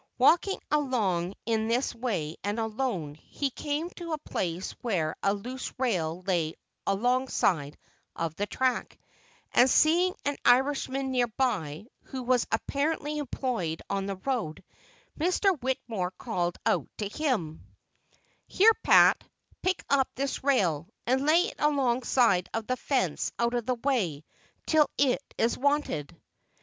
Walking along in this way and alone, he came to a place where a loose rail lay alongside of the track; and, seeing an Irishman near by, who was apparently employed on the road, Mr. Whittemore called out to him: "Here, Pat, pick up this rail, and lay it alongside of the fence out of the way, till it is wanted."